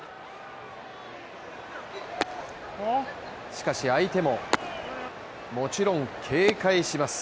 しかし相手も、もちろん警戒します。